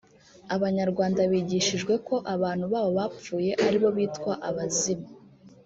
Abanyarwanda bigishijwe ko abantu babo bapfuye ari bo bitwa abazimu